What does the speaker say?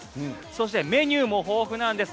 そしてメニューも豊富なんです。